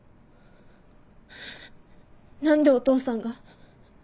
何でお父さんが？